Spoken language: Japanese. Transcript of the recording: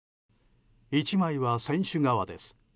１枚は船首側です。